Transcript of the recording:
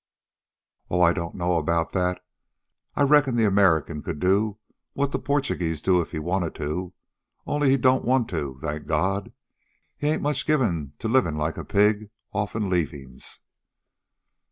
"Oh, I don't know about that. I reckon the American could do what the Porchugeeze do if he wanted to. Only he don't want to, thank God. He ain't much given to livin' like a pig offen leavin's."